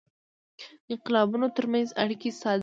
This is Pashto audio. د انقلابونو ترمنځ اړیکه ساده وه.